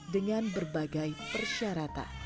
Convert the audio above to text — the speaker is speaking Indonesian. dengan berbagai persyaratan